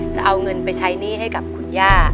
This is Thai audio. จะเอาเงินไปใช้หนี้ให้กับคุณย่า